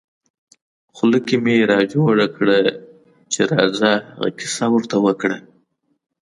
خوله کې مې را جوړه کړه چې راځه هغه کیسه ور ته وکړه.